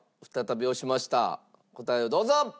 答えをどうぞ。